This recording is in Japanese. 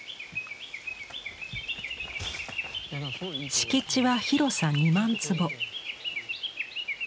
敷地は広さ２万坪。